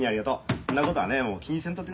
んなことはねもう気にせんとってくださいよ。